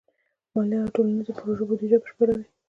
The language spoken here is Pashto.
مالیه د ټولنیزو پروژو بودیجه بشپړوي.